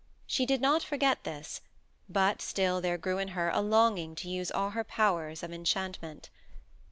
She did not forget this, but still there grew in her a longing to use all her powers of enchantment.